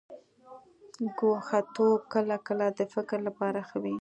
ګوښه توب کله کله د فکر لپاره ښه وي.